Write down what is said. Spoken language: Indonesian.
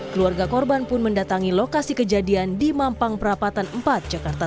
keluarga korban pun mendatangi lokasi kejadian di mampang perapatan empat jakarta